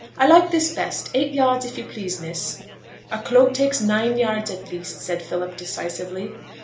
'I like this best. Eight yards, if you please, miss.' 'A cloak takes nine yards, at least,' said Philip, decisively.